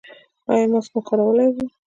ایا ماسک مو کارولی و؟